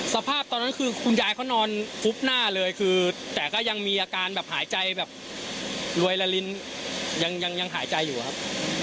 สภาพตอนนั้นคือคุณยายเขานอนฟุบหน้าเลยคือแต่ก็ยังมีอาการแบบหายใจแบบรวยละลินยังหายใจอยู่ครับ